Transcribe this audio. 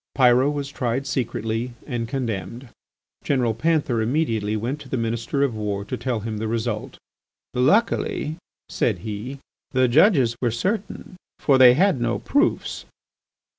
Pyrot was tried secretly and condemned. General Panther immediately went to the Minister of War to tell him the result. "Luckily," said he, "the judges were certain, for they had no proofs."